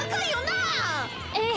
ええ。